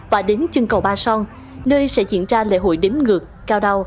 và đến chân cầu ba son nơi sẽ diễn ra lễ hội đếm ngược cao đao